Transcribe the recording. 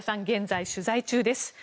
現在取材中です。